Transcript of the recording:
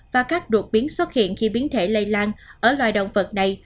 và các đột biến xuất hiện khi biến thể lây lan ở loài động vật này